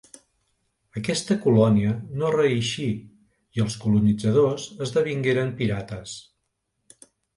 Aquesta colònia no reeixí i els colonitzadors esdevingueren pirates.